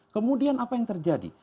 kemudian apa yang terjadi